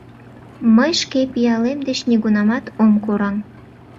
Мый шке пиалем деч нигунамат ом кораҥ!